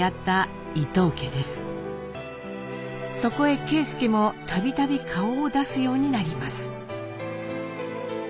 そこへ啓介も度々顔を出すようになります。